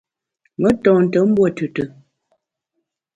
Me ntonte mbuo tùtù.